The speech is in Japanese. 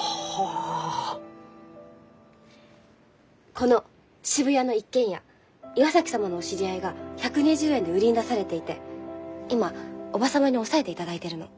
この渋谷の一軒家岩崎様のお知り合いが１２０円で売りに出されていて今叔母様に押さえていただいてるの。